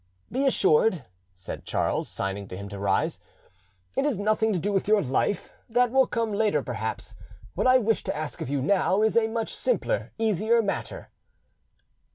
"Be assured," said Charles, signing to him to rise; "it is nothing to do with your life; that will come later, perhaps. What I wish to ask of you now is a much simpler, easier matter."